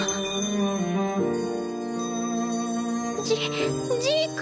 ジジーク。